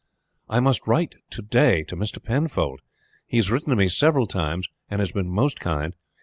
"I must write to day to Mr. Penfold. He has written to me several times, and has been most kind.